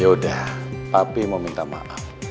yaudah tapi mau minta maaf